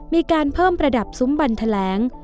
มีการเพิ่มประดับซุ้มบันแถลง